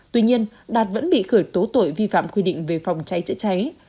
tuy nhiên đạt vẫn bị khởi tố tội vi phạm quy định về phòng cháy chữa cháy